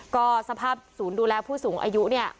ก็สภาพศูนย์ดูแลผู้สูงอายุเนี่ย